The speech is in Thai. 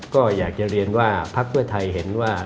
ก็อยากจะเรียนว่าพักเพื่อไทยเห็นว่า